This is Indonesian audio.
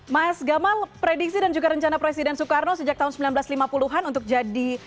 mas gamal prediksi dan juga rencana presiden soekarno sejak tahun seribu sembilan ratus lima puluh an untuk jadi